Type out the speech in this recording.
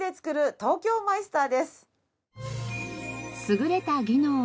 東京マイスター。